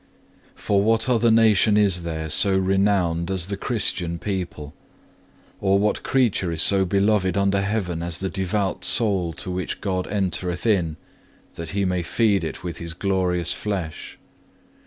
3. For what other nation is there so renowned as the Christian people? Or what creature is so beloved under heaven as the devout soul to which God entereth in, that he may feed it with His glorious flesh?